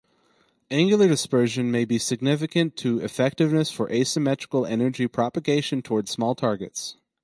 Angular dispersion may be significant to effectiveness for asymmetrical energy propagation toward small targets.